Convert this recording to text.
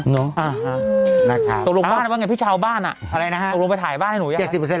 อ๋อฮะนะครับตกลงบ้านแล้วป่ะหรือไงพี่ชาวบ้านอ่ะตกลงไปถ่ายบ้านให้หนูอยากจะไม่รอครับ